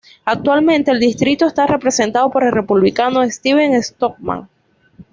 Actualmente el distrito está representado por el Republicano Steve Stockman.